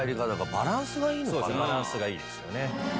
バランスがいいですよね。